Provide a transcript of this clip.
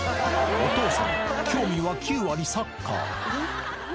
お父さん、興味は９割サッカー。